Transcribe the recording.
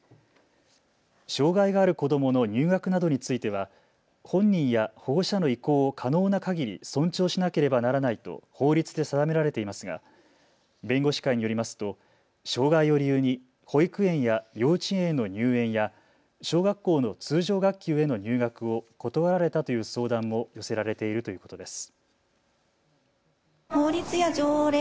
障害がある子どもの入学などについては本人や保護者の意向を可能なかぎり尊重しなければならないと法律で定められていますが弁護士会によりますと障害を理由に保育園や幼稚園への入園や小学校の通常学級への入学を断られたという相談も寄せられているということです。